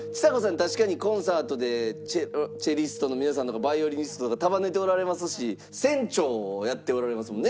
確かにコンサートでチェリストの皆さんとかヴァイオリニストとか束ねておられますし船長をやっておられますもんね